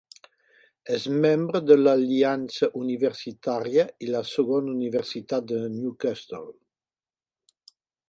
És membre de l'Aliança Universitària i la segona universitat de Newcastle.